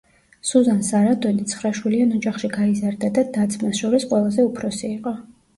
სუზან სარანდონი ცხრაშვილიან ოჯახში გაიზარდა და და-ძმას შორის ყველაზე უფროსი იყო.